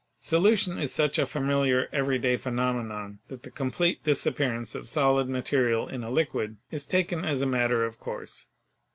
Solution is such a familiar, everyday phenomenon that the complete disap pearance of solid material in a liquid is taken as a matter of course.